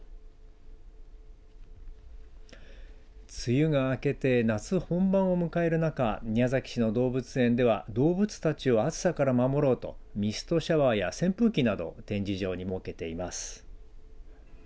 梅雨が明けて夏本番を迎える中宮崎市の動物園では動物たちを暑さから守ろうとミストシャワーや扇風機などを展示場に設けています。